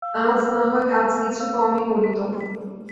আজ নাহয় কাজ কিছু কমই করিত।